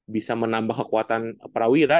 bisa menambah kekuatan prawira